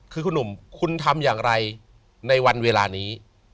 คือคุณหนุ่มคุณทำอย่างไรในวันเวลานี้